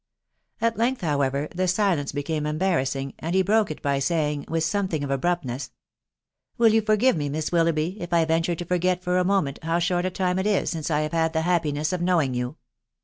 At length, however, the silence became embarrassing, and he broke it by saying, with something of abruptness, —" Will you forgive me, Miss Willoughby, if I venture to forget for a moment, how short a time it is since I have had the happiness of knowing you